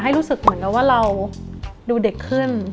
ให้รู้สึกเหมือนเราดูเด็กขึ้น